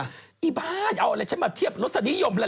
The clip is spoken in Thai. ไอ้บ้านเอาอะไรฉันมาเทียบรสนิยมเลย